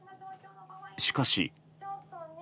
しかし。